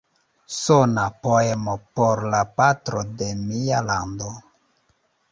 Sona poemo por la patro de mia lando".